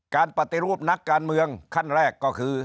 การปฏิรูปนักการเมืองขั้นแรกก็คือ